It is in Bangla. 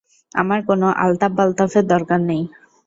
আমার কোনো আলতাফ বালতাফের দরকার নেই।